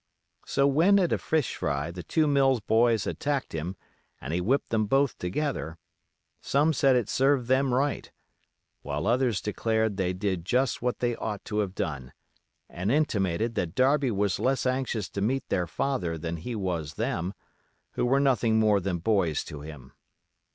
So when at a fish fry the two Mills boys attacked him and he whipped them both together, some said it served them right, while others declared they did just what they ought to have done, and intimated that Darby was less anxious to meet their father than he was them, who were nothing more than boys to him.